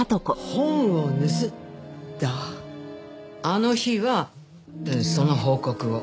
あの日はその報告を。